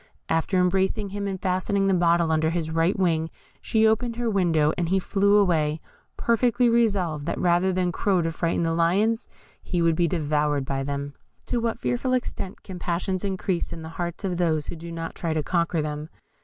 After embracing him, and fastening the bottle under his right wing, she opened her window, and he flew away, perfectly resolved that rather than crow to frighten the lions, he would be devoured by them. To what fearful extent can passions increase in the hearts of those who do not try to conquer them?